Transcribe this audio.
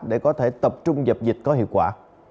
để có thể tập trung dập dịch có hiệu quả